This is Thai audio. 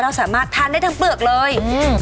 เราสามารถทานได้ทั้งเปลือกเลย